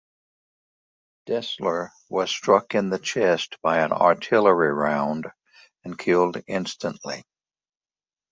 Deshler was struck in the chest by an artillery round and killed instantly.